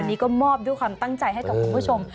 นี่ก็มอบด้วยความตั้งใจให้กับคุณผู้ชม